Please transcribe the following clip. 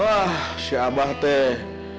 hah si abah teh